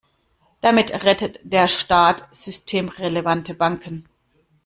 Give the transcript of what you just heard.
Damit rettet der Staat systemrelevante Banken.